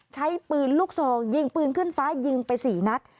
ใช้ปืนลูกซองยิงปืนขึ้นฟ้ายิงไป๔นัด